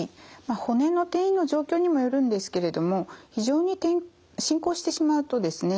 骨の転移の状況にもよるんですけれども非常に進行してしまうとですね